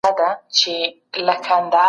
خلګ څنګه د نوي قانون خبريږي؟